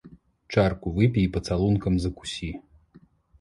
Чарку выпі і пацалункам закусі.